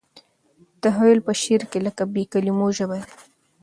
تخیل په شعر کې لکه بې کلیمو ژبه دی.